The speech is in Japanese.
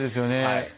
はい。